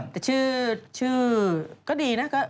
แต่ชื่อก็ดีนะ